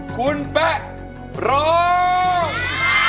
คุณแป๊ะร้อง